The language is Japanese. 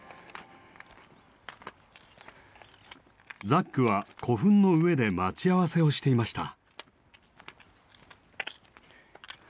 ザックは古墳の上で待ち合わせをしていました。